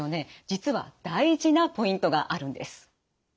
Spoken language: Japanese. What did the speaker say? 実は大事なポイントがあるんです。